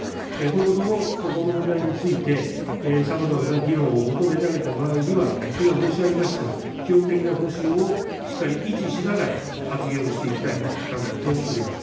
今後とも、この問題について、さまざまな議論を求められた場合には、今申し上げました、基本的な方針をしっかり維持しながら、発言をしていきたいと考えております。